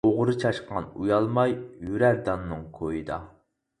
ئوغرى چاشقان ئۇيالماي، يۈرەر داننىڭ كويىدا.